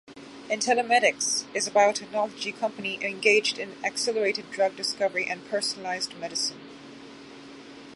Intellimedix is a biotechnology company engaged in accelerated drug discovery and personalized medicine.